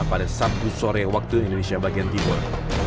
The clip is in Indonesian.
pada sabtu sore waktu indonesia bagian timur